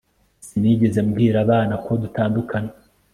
sinigeze mbwira abana ko dutandukana